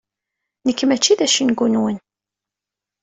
Nekk mačči d acengu-nwen.